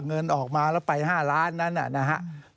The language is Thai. เงินออกมาแล้วไป๕ล้านนั้นนะครับ